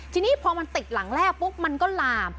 ทีนี้พอมันติดหลังแร่ปุ๊บมันก็ลาม